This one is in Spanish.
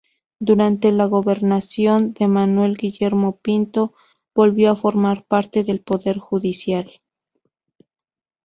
Durante la gobernación de Manuel Guillermo Pinto volvió a formar parte del poder judicial.